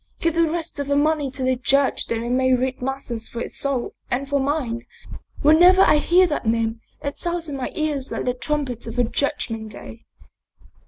give the rest of the money to the Church that they may read masses for his soul and for mine. Whenever I hear that name, it sounds in my ears like the trumpet of the judg ment day."